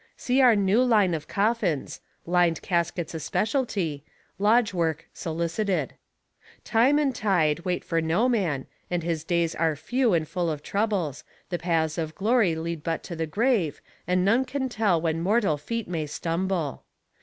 See Our New Line of Coffins Lined Caskets a Specialty Lodge Work Solicited Time and tide wait for no man, and his days are few and full of troubles. The paths of glory lead but to the grave, and none can tell when mortal feet may stumble.